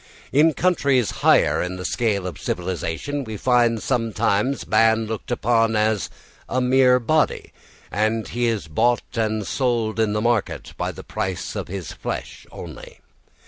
In countries higher in the scale of civilisation we find sometimes man looked upon as a mere body, and he is bought and sold in the market by the price of his flesh only.